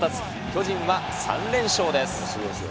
巨人は３連勝です。